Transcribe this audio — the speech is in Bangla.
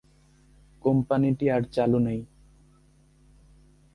কোম্পানিটি আর চালু নেই।